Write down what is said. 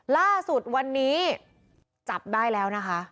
ล่าสุดวันนี้จับได้แล้วนะคะ